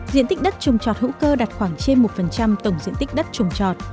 diện tích đất trồng trọt hữu cơ đạt khoảng trên một tổng diện tích đất trồng trọt